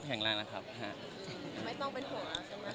ไม่ต้องเป็นห่วงเราใช่มั้ย